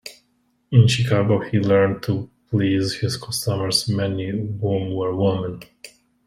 In Chicago he learned to please his customers, many of whom were women.